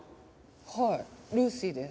はいルーシーです。